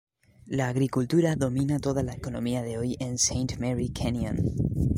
La agricultura domina toda la economía de hoy en Saint Mary Canyon.